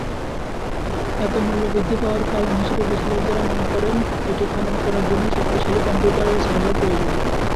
এত মূল্য বৃদ্ধি পাওয়ার কারণ হিসেব বিশেষজ্ঞরা মনে করেন এটি খনন করার জন্য শক্তিশালী কম্পিউটার ও সার্ভার প্রয়োজন।